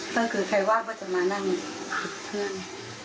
ถ้าใครว่าก็จะมานั่งนี่